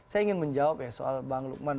saya ingin menjawab ya soal bang lukman